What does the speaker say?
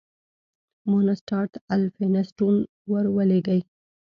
مونسټارټ الفینستون ور ولېږی.